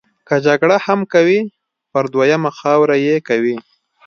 که جګړه هم کوي پر دویمه خاوره یې کوي.